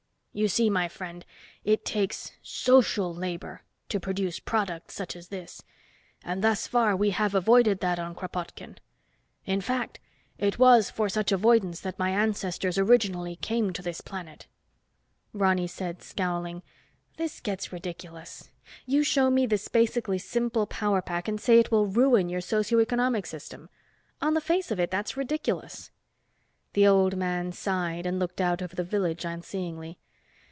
You see, my friend, it takes social labor to produce products such as this, and thus far we have avoided that on Kropotkin. In fact, it was for such avoidance that my ancestors originally came to this planet." Ronny said, scowling, "This gets ridiculous. You show me this basically simple power pack and say it will ruin your socio economic system. On the face of it, it's ridiculous." The old man sighed and looked out over the village unseeingly.